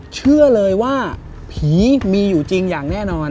เชื่อเลยว่าผีมีอยู่จริงอย่างแน่นอน